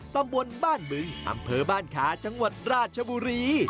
ตำบลบ้านบึงอำเภอบ้านคาจังหวัดราชบุรี